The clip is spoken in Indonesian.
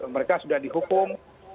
mereka sudah dihukum